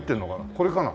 これかな？